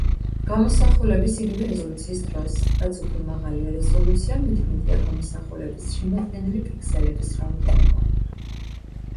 გამოსახულების იგივე რეზოლუციის დროს, რაც უფრო მაღალია რეზოლუცია მით მეტია გამოსახულების შემადგენელი პიქსელების რაოდენობა.